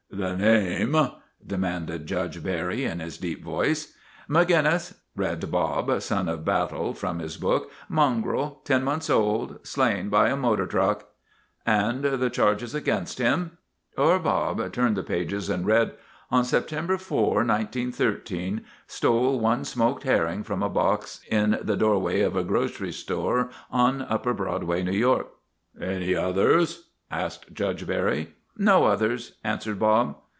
: The name," demanded Judge Barry in his deep voice. " Maginnis," read Bob, Son of Battle, from his book. ' Mongrel ; ten months old ; slain by a motor truck." " And the charges against him ?' Oor Bob turned the page and read :" On Sep tember 4, 1913, stole one smoked herring from a box in tL e ]1 .oorway of a grocery store on upper Broad way, N r ^w York." ' Any others? " asked Judge Barry. " No others," answered Bob.